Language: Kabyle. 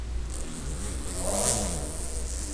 Ɣres.